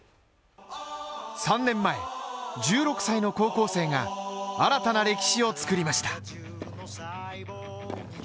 ３年前、１６歳の高校生が新たな歴史を作りました。